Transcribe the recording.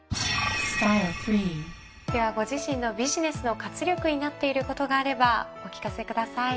ではご自身のビジネスの活力になっていることがあればお聞かせください。